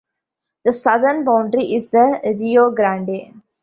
The southern boundary is the Rio Grande.